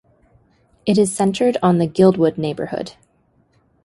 It is centred on the Guildwood neighbourhood.